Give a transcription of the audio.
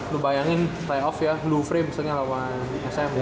lu bayangin play off ya blue frame setengah lawan sm